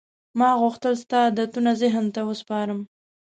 ما غوښتل ستا عادتونه ذهن ته وسپارم.